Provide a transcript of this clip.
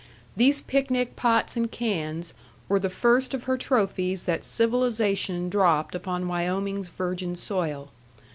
These picnic pots and cans were the first of her trophies that Civilization dropped upon Wyoming's virgin soil.